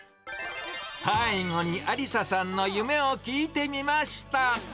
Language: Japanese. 最後にありささんの夢を聞いてみました。